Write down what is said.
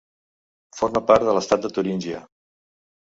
Forma part de l'estat de Turíngia.